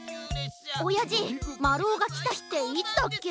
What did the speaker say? おやじまるおがきたひっていつだっけ？